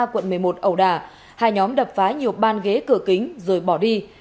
quận một mươi một ẩu đà hai nhóm đập phá nhiều ban ghế cửa kính rồi bỏ đi